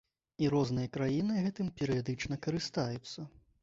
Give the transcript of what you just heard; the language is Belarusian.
І розныя краіны гэтым перыядычна карыстаюцца.